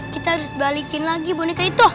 kita harus balikin lagi boneka itu